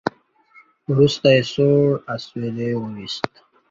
وروسته يې سوړ اسويلی وېست.